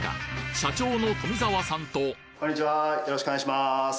社長の富澤さんとよろしくお願いします。